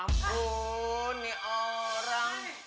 ampun nih orang